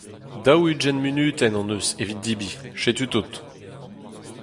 daou-ugent munutenn hon eus evit debriñ, setu tout.